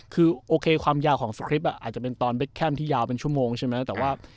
คือคือความยาวของอ่าอาจจะเป็นตอนที่ยาวเป็นชั่วโมงใช่ไหมแต่ว่า